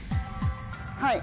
はい。